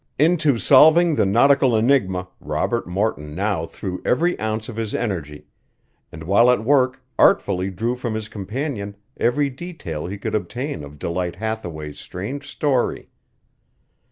Into solving the nautical enigma Robert Morton now threw every ounce of his energy and while at work artfully drew from his companion every detail he could obtain of Delight Hathaway's strange story.